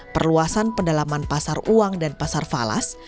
perluasan pendalaman pasar uang dan pasar falas